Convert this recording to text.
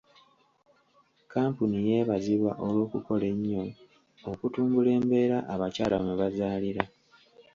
Kampuni yeebazibwa olw'okukola ennyo okutumbula embeera abakyala mwe bazaalira.